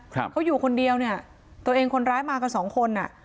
ครับเขาอยู่คนเดียวเนี่ยตัวเองคนร้ายมากันสองคนอ่ะ